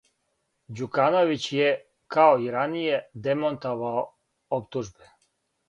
Ђукановић је, као и раније, демантовао оптужбе.